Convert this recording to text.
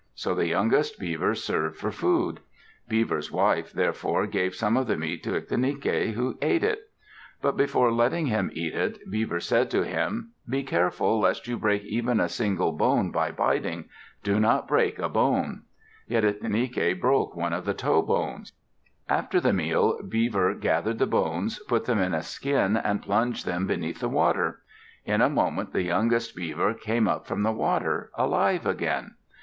So the youngest Beaver served for food. Beaver's wife therefore gave some of the meat to Ictinike, who ate it. But before letting him eat it, Beaver said to him, "Be careful lest you break even a single bone by biting! Do not break a bone!" Yet Ictinike broke one of the toe bones. After the meal, Beaver gathered the bones, put them in a skin, and plunged them beneath the water. In a moment the youngest Beaver came up from the water, alive again.